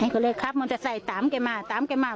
ก็เลยครับมันจะใส่ตามไปมาตามไปมา